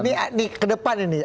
ini kedepan ini